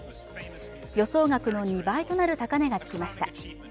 予想額の２倍となる高値がつきました。